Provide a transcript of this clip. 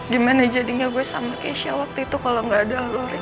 gimana jadinya gue sama keisha waktu itu kalo gak ada lo rick